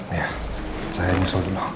iya saya musuh dulu